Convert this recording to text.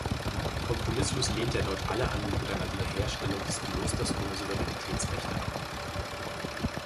Kompromisslos lehnte er dort alle Angebote einer Wiederherstellung des Klosters ohne Souveränitätsrechte ab.